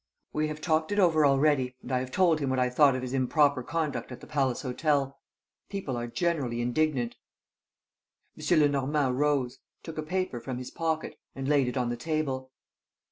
"We have talked it over already and I have told him what I thought of his improper conduct at the Palace Hotel. People are generally indignant." M. Lenormand rose, took a paper from his pocket and laid it on the table.